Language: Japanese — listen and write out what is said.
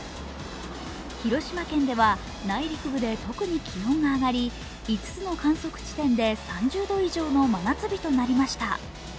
広島県では内陸部で特に気温が上がり５つの観測地点で３０度以上の真夏日となりました。